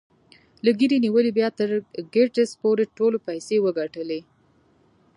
له ګيري نيولې بيا تر ګيټس پورې ټولو پيسې وګټلې.